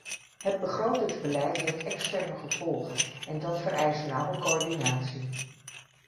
Het begrotingsbeleid heeft externe gevolgen en dat vereist nauwe coördinatie.